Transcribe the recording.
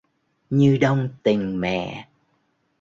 Như đong tình mẹ